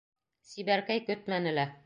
Сибәркәй көтмәне лә.